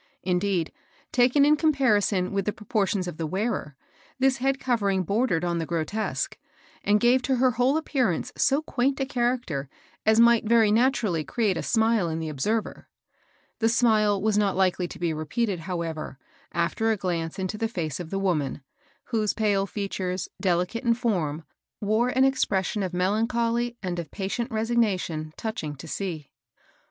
Indeed, taken in comparison with the proportions of the wearer, this head covering bordered on the grotesque, and gave to her whole appearance so quaint a charac ter as might very naturally create a smile in the observer. The smile was not likely to be repeated, however, after a glance into the fece of the woman, whose pale features, deUcate in form, wore an ex pression of melancholy and of patient resignation touching to see. 280 MABEL BOSS.